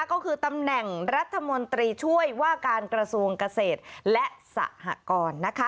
ก็คือตำแหน่งรัฐมนตรีช่วยว่าการกระทรวงเกษตรและสหกร